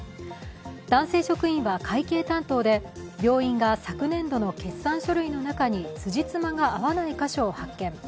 男性職員は会計担当で、病院が昨年度の決算書類の中につじつまが合わないところを発見。